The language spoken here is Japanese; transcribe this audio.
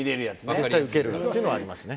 絶対ウケるっていうのはありますね。